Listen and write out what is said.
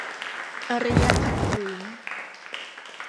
อารยะขัดขืน